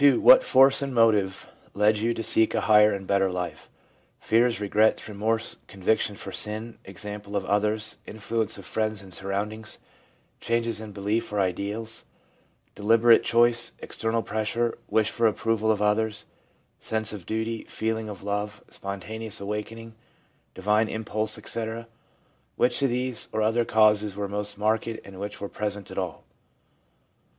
What force and motive led you to seek a higher and better life: — fears, regrets, remorse, conviction for sin, example of others, influence of friends and surround ings, changes in belief or ideals, deliberate choice, external pressure, wish for approval of others, sense of duty, feeling of love, spontaneous awakening, divine impulse, etc. ? Which of these or other causes were most marked, and which were present at all?